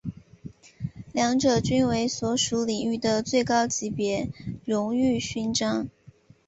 两者均为所属领域的最高级别荣誉勋章。